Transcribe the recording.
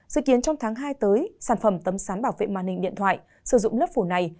dự kiến trong tháng hai tới sản phẩm tấm sán bảo vệ màn hình điện thoại sử dụng lớp phủ này